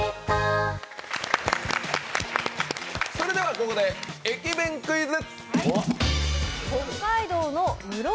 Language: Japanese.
ここで駅弁クイズ！